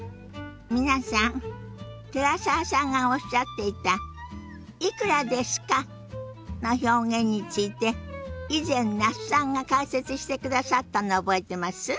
皆さん寺澤さんがおっしゃっていた「いくらですか？」の表現について以前那須さんが解説してくださったの覚えてます？